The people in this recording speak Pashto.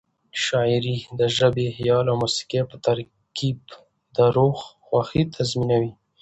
شاعري د ژبې، خیال او موسيقۍ په ترکیب د روح خوښي تضمینوي.